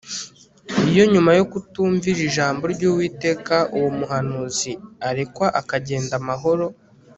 Iyo nyuma yo kutumvira ijambo ryUwiteka uwo muhanuzi arekwa akagenda amahoro